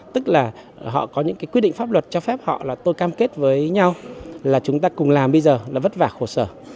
tức là họ có những cái quy định pháp luật cho phép họ là tôi cam kết với nhau là chúng ta cùng làm bây giờ là vất vả khổ sở